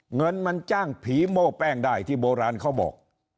เงินมันจ้างผีโม้แป้งได้ที่โบราณเขาบอก